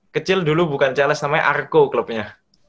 kecil dulu bukan charles namanya arco klubnya